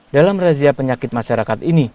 dalam razia penyakit masyarakat ini